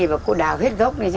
và cô đào hết gốc